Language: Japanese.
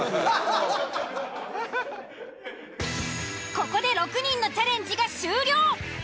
ここで６人のチャレンジが終了。